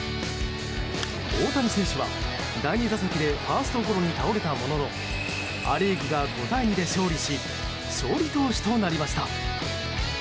大谷選手は第２打席でファーストゴロに倒れたもののア・リーグが５対２で勝利し勝利投手になりました。